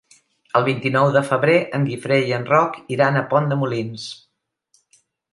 El vint-i-nou de febrer en Guifré i en Roc iran a Pont de Molins.